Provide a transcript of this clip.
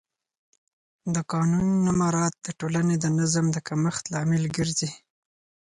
د قانون نه مراعت د ټولنې د نظم د کمښت لامل ګرځي